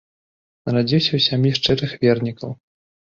Нарадзіўся ў сям'і шчырых вернікаў.